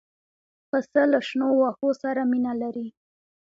پسه له شنو واښو سره مینه لري.